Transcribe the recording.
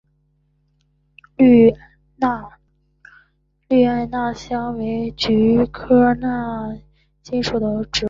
绿艾纳香为菊科艾纳香属的植物。